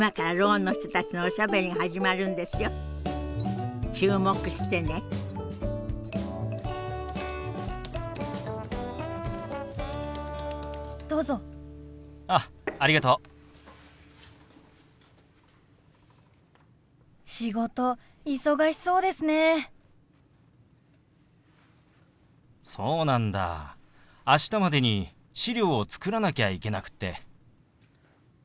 明日までに資料を作らなきゃいけなくって。